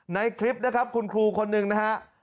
ในคลิปนะครับคุณครูคนหนึ่งนะฮะ